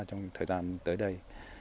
trong thời gian tới đây